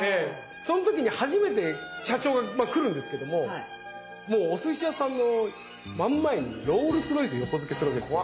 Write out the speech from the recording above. その時に初めて社長が来るんですけどももうおすし屋さんの真ん前にロールスロイス横付けするわけですよ。